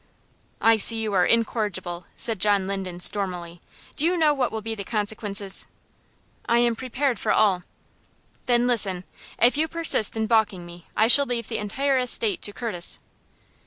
"I see you are incorrigible," said John Linden, stormily. "Do you know what will be the consequences?" "I am prepared for all." "Then listen! If you persist in balking me, I shall leave the entire estate to Curtis."